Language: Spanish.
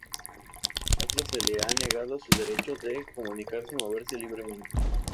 A otros se les han negado sus derechos de comunicarse y moverse libremente.